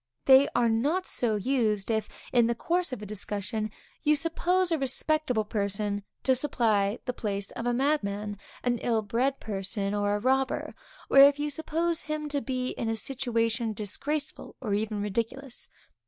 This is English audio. They are not so used, if, in the course of a discussion, you suppose a respectable person to supply the place of a madman, an ill bred person, or a robber; or, if you suppose him to be in a situation disgraceful or even ridiculous.